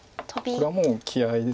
これはもう気合いです。